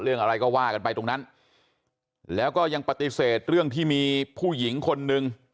เรื่องอะไรก็ว่ากันไปตรงนั้นแล้วก็ยังปฏิเสธเรื่องที่มีผู้หญิงคนนึง